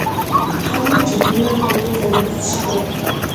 Hemre cedumre xuedeu zerofış'xer.